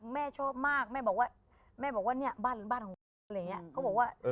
แม่ชอบมากแม่บอกว่าเนี่ยบ้านหรือบ้านของอะไรอย่างเงี้ย